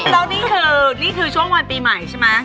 แล้วนี่คือช่วงวันปีใหม่ใช่ไหม